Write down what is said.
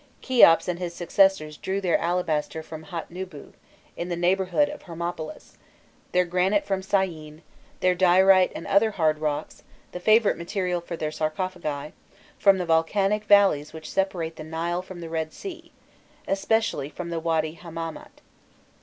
Kheops and his successors drew their alabaster from Hâtnûbû, in the neighbourhood of Hermopolis, their granite from Syene, their diorite and other hard rocks, the favourite material for their sarcophagi, from the volcanic valleys which separate the Nile from the Red Sea especially from the Wady Hammamât.